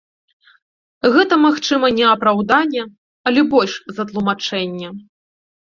Гэта, магчыма, не апраўданне, але больш за тлумачэнне.